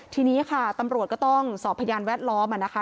ทีนี้ค่ะตำรวจก็ต้องสอบพยานแวดล้อมนะคะ